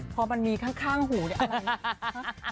เพราะมันมีข้างหูอะไรนะ